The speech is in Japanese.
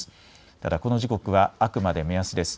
ただこの時刻はあくまで目安です。